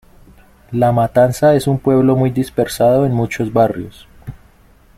La Matanza es un pueblo muy dispersado en muchos barrios.